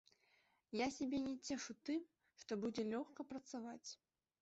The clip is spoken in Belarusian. Я сябе не цешу тым, што будзе лёгка працаваць.